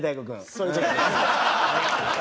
そういう事です。